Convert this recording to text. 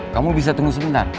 kamu bisa tunggu sebentar